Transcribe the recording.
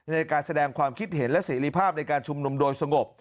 ในการแสดงความคิดเห็นและเสรีภาพในการชุมนุมโดยสงบ